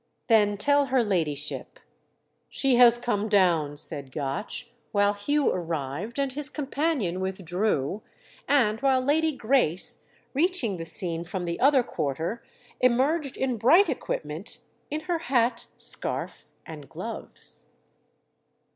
"Then tell her ladyship." "She has come down," said Gotch while Hugh arrived and his companion withdrew, and while Lady Grace, reaching the scene from the other quarter, emerged in bright equipment—in her hat, scarf and gloves.